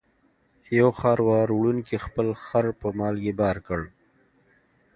یو خروار وړونکي خپل خر په مالګې بار کړ.